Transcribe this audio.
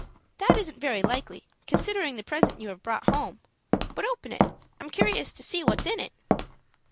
"That isn't very likely, considering the present you have brought home. But open it; I am curious to see what is in it."